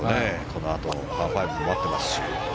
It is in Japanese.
このあとパー５が待ってますし。